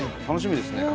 楽しみです。